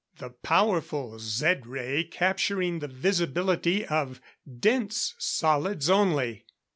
The powerful Zed ray, capturing the visibility of dense solids only.